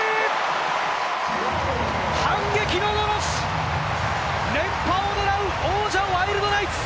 反撃ののろし、連覇を狙う王者・ワイルドナイツ。